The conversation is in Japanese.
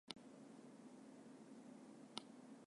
湖南省の省都は長沙である